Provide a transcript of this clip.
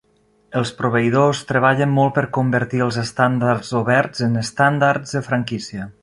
Els proveïdors treballen molt per convertir els estàndards oberts en estàndards de franquícia.